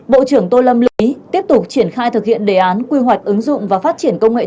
bộ trưởng tô lâm lý tiếp tục triển khai thực hiện đề án sáu của chính phủ trên cơ sở ứng dụng dữ liệu quốc gia về dân cư